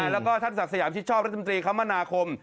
แล้วก็ท่านสักษยาชิดชอบรัฐมนตรีคำว่านาคม